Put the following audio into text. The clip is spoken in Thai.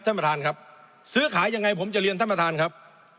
ท่านประธานครับซื้อขายยังไงผมจะเรียนท่านประธานครับ